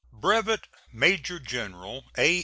Brevet Major General A.